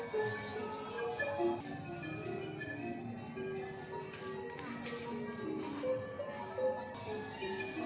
สวัสดีครับ